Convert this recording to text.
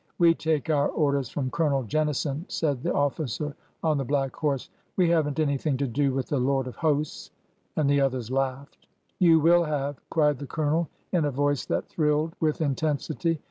'' We take our orders from Colonel Jennison," said the officer on the black horse. We have n't anything to do with the Lord of hosts." And the others laughed. You will have !" cried the Colonel, in a voice that thrilled with intensity.